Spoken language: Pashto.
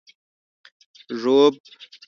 ږوب